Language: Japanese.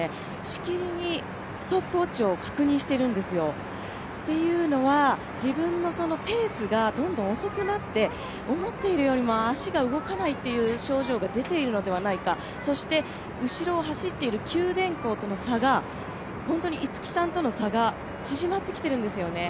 しきりにストップウオッチを確認しているんですよ、というのは自分のペースがどんどん遅くなって思っているよりも足が動かないという症状が出ているのではないかそして後ろを走っている九電工との差が本当に逸木さんとの差が縮まってきているんですよね。